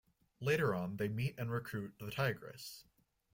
Later on they meet and recruit the Tigress.